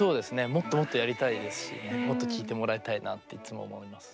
もっともっとやりたいですしもっと聴いてもらいたいなっていつも思います。